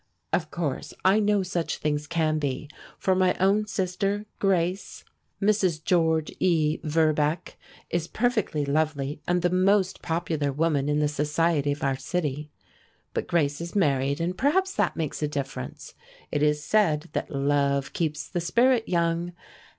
Of course I know such things can be, for my own sister Grace, Mrs. George E. Verbeck, is perfectly lovely and the most popular woman in the society of our city. But Grace is married, and perhaps that makes a difference. It is said that love keeps the spirit young.